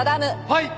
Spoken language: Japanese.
はい。